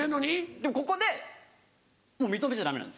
でもここで認めちゃダメなんですよ。